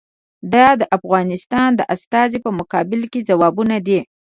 دا د افغانستان د استازي په مقابل کې ځوابونه دي.